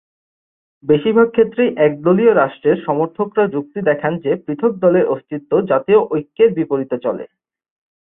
বেশিরভাগ ক্ষেত্রেই একদলীয় রাষ্ট্রের সমর্থকরা যুক্তি দেখান যে পৃথক দলের অস্তিত্ব জাতীয় ঐক্যের বিপরীতে চলে।